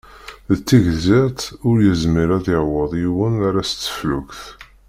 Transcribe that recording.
D tigzirt ur yezmir ad yaweḍ yiwen ala s teflukt.